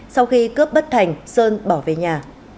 sau khi cướp bất thành sơn bỏ về nhà